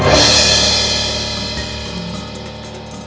lari keluar pondok